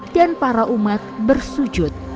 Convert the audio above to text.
dan para umat bersujud